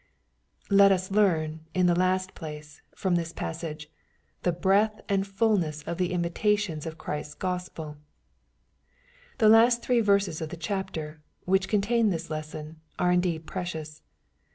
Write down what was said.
Let us learn, in the last place, from this passage, the breadth and fulness of the invitations of Ohrisfs Gospel The last three verses of the chapter, which contain this lesson, are indeed precious.